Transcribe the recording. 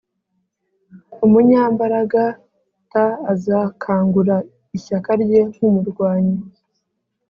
Umunyambaraga t azakangura ishyaka rye nk umurwanyi